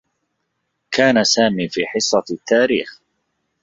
كان سامي في حصّة التّاريخ.